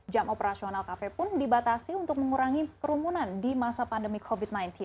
jam operasional kafe pun dibatasi untuk mengurangi kerumunan di masa pandemi covid sembilan belas